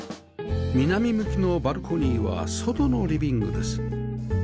南向きのバルコニーは外のリビングです